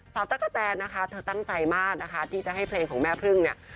ตั๊กกะแตนนะคะเธอตั้งใจมากนะคะที่จะให้เพลงของแม่พึ่งเนี่ย